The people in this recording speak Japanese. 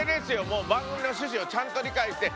もう番組の趣旨をちゃんと理解して。